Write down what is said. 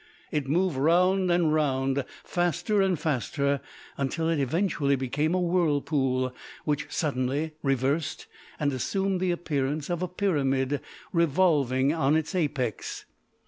It moved round and round faster and faster, until it eventually became a whirlpool; which suddenly reversed and assumed the appearance of a pyramid revolving on its apex.